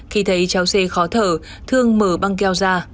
khi thấy cháu xê khó thở thương mở băng keo ra